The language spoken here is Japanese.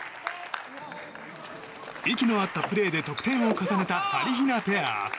息のあったプレーで得点を重ねたはりひなペア。